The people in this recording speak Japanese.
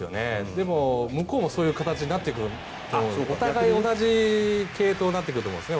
でも、向こうもそういう形になってくると思うのでお互い同じ系統になってくると思うんですね。